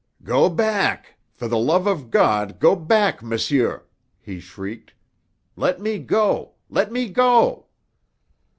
"Go back! For the love of God, go back, monsieur!" he shrieked. "Let me go! Let me go!"